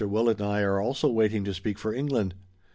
Willet and I are also waiting to speak for England.